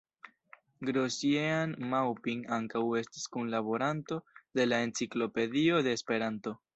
Grosjean-Maupin ankaŭ estis kunlaboranto de la Enciklopedio de Esperanto.